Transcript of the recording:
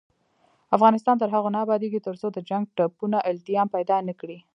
افغانستان تر هغو نه ابادیږي، ترڅو د جنګ ټپونه التیام پیدا نکړي.